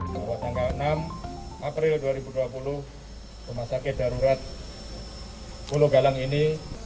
bahwa tanggal enam april dua ribu dua puluh rumah sakit darurat pulau galang ini